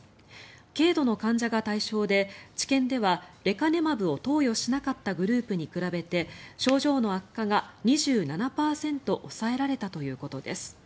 軽度の患者が対象で治験ではレカネマブを投与しなかったグループに比べて症状の悪化が２７％抑えられたということです。